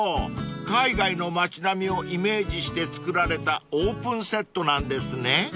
海外の街並みをイメージして作られたオープンセットなんですね］